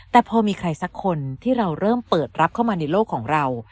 แต่พอมีใครสักคนที่เราเริ่มเปิดรับเข้ามาในโลกของเรา